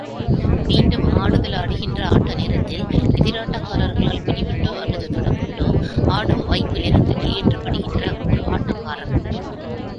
மீண்டும் ஆடுதல் ஆடுகின்ற ஆட்ட நேரத்தில் எதிராட்டக்காரர்களால் பிடிபட்டோ அல்லது தொடப்பட்டோ ஆடும் வாய்ப்பிலிருந்து வெளியேற்றப்படுகின்ற ஒர் ஆட்டக்காரர்.